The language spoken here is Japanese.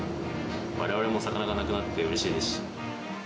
われわれも魚がなくなってうれしいですし。